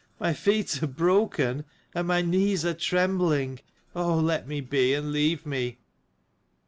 My feet are broken, and my knees are trembling. Oh let me be, and leave me."